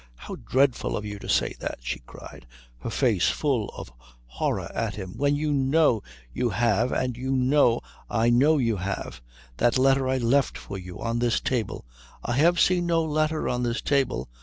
"How dreadful of you to say that!" she cried, her face full of horror at him. "When you know you have and you know I know you have that letter I left for you on this table " "I have seen no letter on this table."